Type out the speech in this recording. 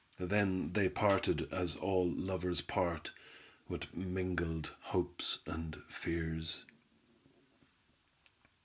Then they parted, as all lovers part, with mingled hopes and fears.